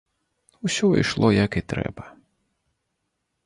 Усё ішло як і трэба.